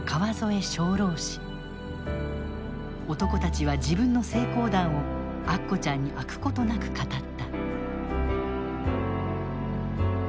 男たちは自分の成功談をアッコちゃんに飽くことなく語った。